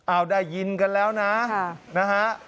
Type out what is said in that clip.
เอาได้ยินกันแล้วนะนะฮะ